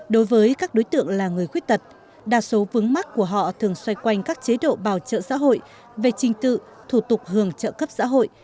đối với các đối tượng là người khuyết tật đa số vướng mắt của họ thường xoay quanh các chế độ bảo trợ xã hội về trình tự thủ tục hưởng trợ cấp xã hội